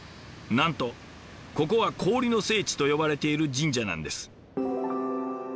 なんとここは氷の聖地と呼ばれている神社なんです。